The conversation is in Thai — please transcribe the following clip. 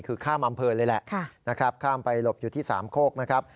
คือข้ามอำเภอเลยแหละนะครับข้ามไปหลบอยู่ที่สามโคกนะครับ